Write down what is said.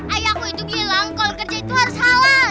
ayahku itu bilang kol kerja itu harus halal